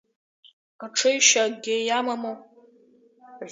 Рҽеишьа акгьы иамаму?